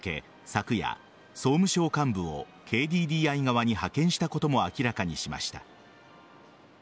昨夜、総務省幹部をＫＤＤＩ側に派遣したことも明らかにしました。